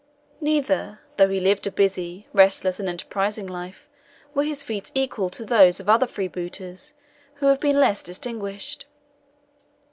Neither, though he lived a busy, restless, and enterprising life, were his feats equal to those of other freebooters, who have been less distinguished.